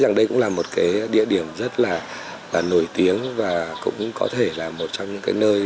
nó là một địa điểm rất nổi tiếng và cũng có thể là một trong những nơi